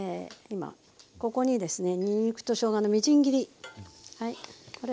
今ここにですねにんにくとしょうがのみじん切り。